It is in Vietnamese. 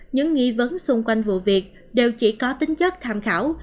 những nghi vấn xung quanh vụ việc đều chỉ có tính chất tham khảo